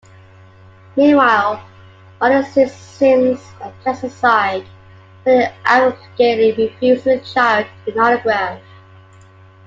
Meanwhile, Molly sees Simms' unpleasant side when he arrogantly refuses a child an autograph.